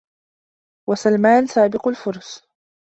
وَسَلْمَانُ سَابِقُ الْفُرْسَ